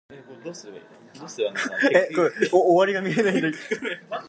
Keeler's complex, labyrinthine stories mostly alienated his intended reading audience.